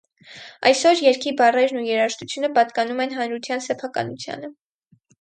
Այսօր երգի բառերն ու երաժշտությունը պատկանում են հանրության սեփականությանը։